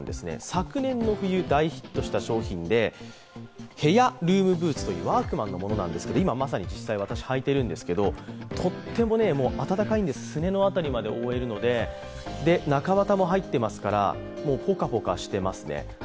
昨年の冬、大ヒットした商品で部屋ルームブーツというワークマンのものなんですけど、今まさに、実際、私履いているんですけれども、とっても暖かいんですすねの部分まで覆えるので中綿も入っていますからほかほかしていますね。